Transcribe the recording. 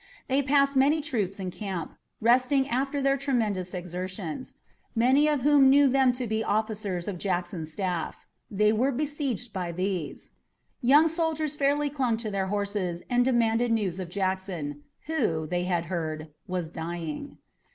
They passed many troops in camp, resting after their tremendous exertions, many of whom knew them to be officers of Jackson's staff. They were besieged by these. Young soldiers fairly clung to their horses and demanded news of Jackson, who, they had heard, was dying.